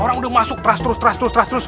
orang udah masuk terus terus terus terus